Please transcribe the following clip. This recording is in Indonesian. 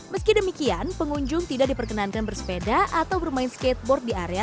meski demikian pengunjung tidak diperkenankan bersepeda atau bermain skateboard di area